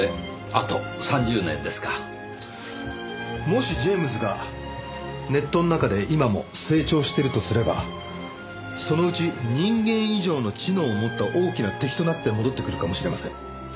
もしジェームズがネットの中で今も成長してるとすればそのうち人間以上の知能を持った大きな敵となって戻ってくるかもしれません。